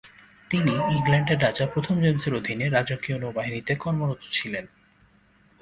তিনি ইংল্যান্ডের রাজা প্রথম জেমসের অধীনে রাজকীয় নৌবাহিনীতে কর্মরত ছিলেন।